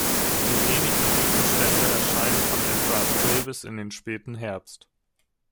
Die wenigen Blütenstände erscheinen von etwa April bis in den späten Herbst.